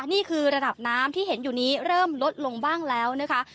นี่คือระดับน้ำที่เห็นอยู่นี้เริ่มลดลงบ้างแล้วนะคะ